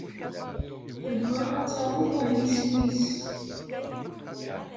Tebɣa ad taweḍ ar yiswi-s.